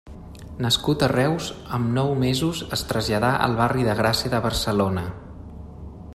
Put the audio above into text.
Nascut a Reus, amb nou mesos es traslladà al barri de Gràcia de Barcelona.